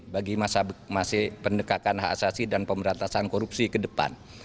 bagi pendekatan hak asasi dan pemberantasan korupsi ke depan